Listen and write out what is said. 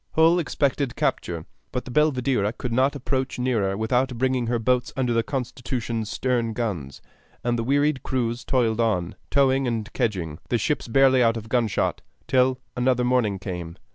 Hull expected capture, but the Belvidera could not approach nearer without bringing her boats under the Constitution's stern guns; and the wearied crews toiled on, towing and kedging, the ships barely out of gunshot, till another morning came.